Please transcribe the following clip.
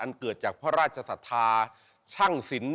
อันเกิดจากพระราชสถาชั่งศิลป์